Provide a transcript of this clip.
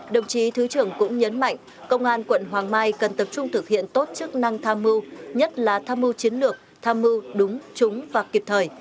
đồng chí thứ trưởng cũng nhấn mạnh công an quận hoàng mai cần tập trung thực hiện tốt chức năng tham mưu nhất là tham mưu chiến lược tham mưu đúng trúng và kịp thời